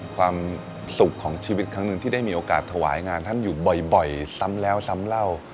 ความสุขของชีวิตครั้งหนึ่งที่ได้มีโอกาสถวายงานท่านอยู่บ่อยซ้ำแล้วซ้ำเล่า